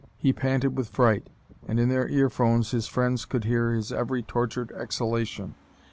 He panted with fright, and in their earphones his friends could hear his every tortured exhalation.